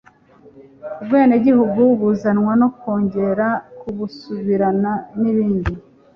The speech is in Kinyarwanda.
Ubwenegihugu buzanwa no kongera kubusubirana n'ibindi.